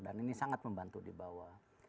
dan ini sangat membantu di bawah